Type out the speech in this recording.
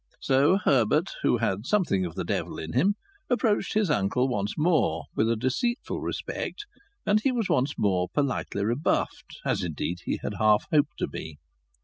So Herbert, who had something of the devil in him, approached his uncle once more, with a deceitful respect, and he was once more politely rebuffed as indeed he had half hoped to be.